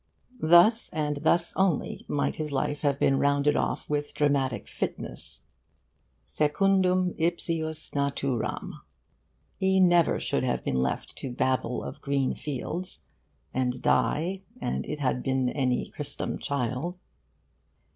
Thus and thus only might his life have been rounded off with dramatic fitness, secundum ipsius naturam. He never should have been left to babble of green fields and die 'an it had been any christom child.